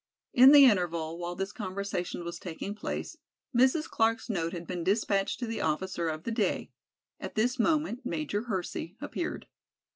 In the interval, while this conversation was taking place, Mrs. Clark's note had been dispatched to the officer of the day. At this moment Major Hersey appeared.